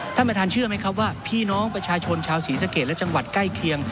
ท่านประธานเชื่อไหมครับว่าพี่น้องประชาชนชาวศรีสะเกดและจังหวัดใกล้เคียง